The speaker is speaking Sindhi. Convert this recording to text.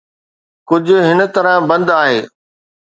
ڪجهه هن طرح بند آهي